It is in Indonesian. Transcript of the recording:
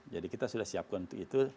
jadi kita sudah siapkan untuk itu